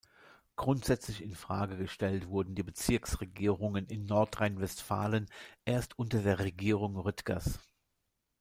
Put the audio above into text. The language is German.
Grundsätzlich in Frage gestellt wurden die Bezirksregierungen in Nordrhein-Westfalen erst unter der Regierung Rüttgers.